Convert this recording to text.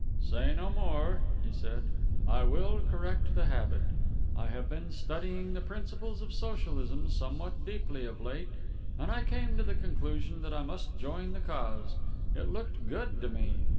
"Say no more," he said. "I will correct the habit. I have been studying the principles of Socialism somewhat deeply of late, and I came to the conclusion that I must join the cause. It looked good to me.